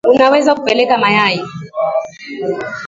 Unaweza kupeleka mayai.